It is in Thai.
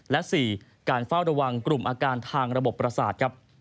และ๔การเฝ้าระวังกลุ่มอาการทางระบบประสาทครับ